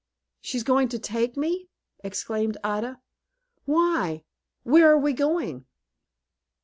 "She going to take me?" exclaimed Ida. "Why, where are we going?"